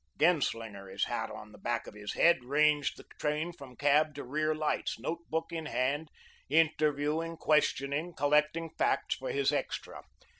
Genslinger, his hat on the back of his head, ranged the train from cab to rear lights, note book in hand, interviewing, questioning, collecting facts for his extra.